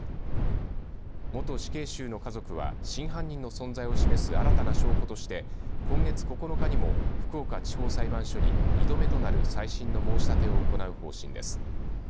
元死刑囚の家族は真犯人の存在を示す新たな証拠として今月９日にも福岡地裁裁判所に２度目となる再審の申し立てを行う方針です。